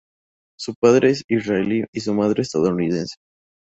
Su padre es israelí y su madre estadounidense.